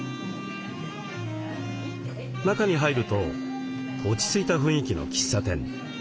中に入ると落ち着いた雰囲気の喫茶店。